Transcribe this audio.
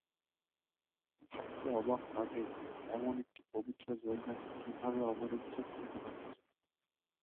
ভাবতে অবাক লাগে, এমন একটি পবিত্র জায়গাকে কীভাবে অবরুদ্ধ করে রাখা যায়।